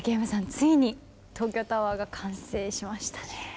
ついに東京タワーが完成しましたね。